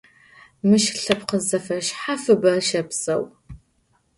Мыщ лъэпкъ зэфэшъхьафыбэ щэпсэу.